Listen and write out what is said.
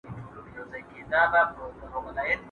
¬ بې مېوې ونه څوک په ډبرو نه ولي.